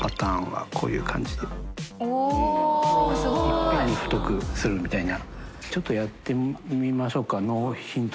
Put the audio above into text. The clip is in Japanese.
いっぺんに太くするみたいな。